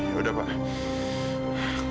ya udah pak